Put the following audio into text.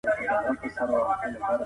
ارزګان د ميړنيو وطن دی.